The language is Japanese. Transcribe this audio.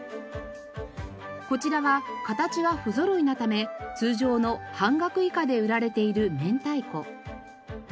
こちらは形がふぞろいなため通常の半額以下で売られている明太子。